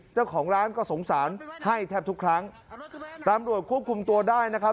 เจ้าของร้านก็สงสารให้แทบทุกครั้งตำรวจควบคุมตัวได้นะครับ